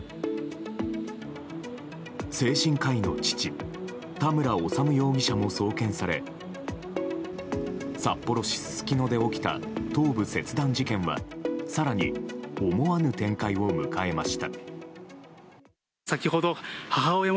精神科医の父田村修容疑者も送検され札幌市すすきので起きた頭部切断事件は更に思わぬ展開を迎えました。